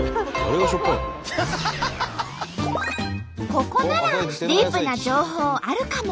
ここならディープな情報あるかも！